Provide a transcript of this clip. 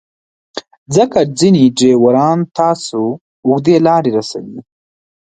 ځکه ځینې ډریوران تاسو اوږدې لارې رسوي.